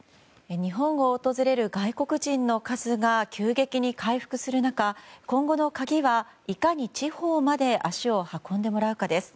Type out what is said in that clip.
日本を訪れる外国人の数が急激に回復する中今後の鍵は、いかに地方まで足を運んでもらうかです。